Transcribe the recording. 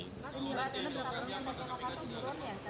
mas penjelasan yang sudah kami lakukan dari kpk itu burun ya